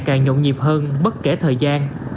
càng nhộn nhịp hơn bất kể thời gian